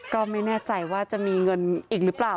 ก็ไม่แน่ใจว่าจะมีเงินอีกหรือเปล่า